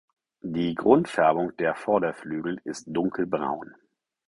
Die Grundfärbung der Vorderflügel ist dunkelbraun.